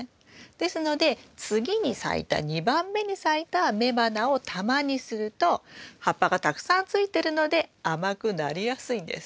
ですので次に咲いた２番目に咲いた雌花を玉にすると葉っぱがたくさんついてるので甘くなりやすいんです。